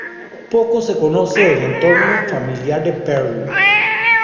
Poco se conoce del entorno familiar de Perry.